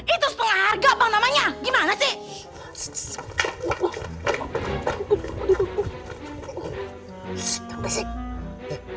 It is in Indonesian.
itu punya harga bang namanya gimana sih